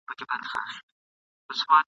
د سهار باده تازه نسیمه ..